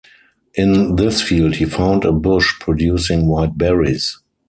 In this field he found a bush producing white berries.